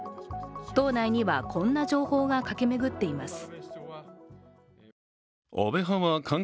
党内にはこんな情報が駆け巡っています。